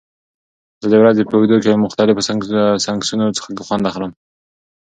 زه د ورځې په اوږدو کې له مختلفو سنکسونو څخه خوند اخلم.